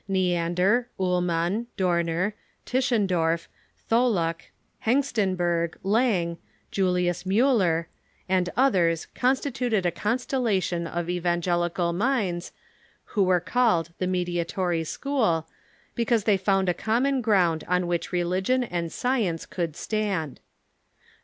Neander, Ullmann, Dorner, Tischendorf, Tho luck, Hengstenberg, Lange, Julius Miiller, and others consti tuted a constellation of evangelical minds, who were called the Mediatory School, because they found a common ground on which religion and science could stand.